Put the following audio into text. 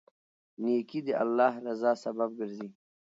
نیکي د الله رضا سبب ګرځي.